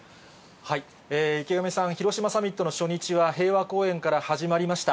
池上さん、広島サミットの初日は、平和公園から始まりました。